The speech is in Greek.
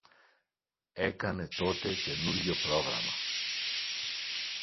Έκανε τότε καινούριο πρόγραμμα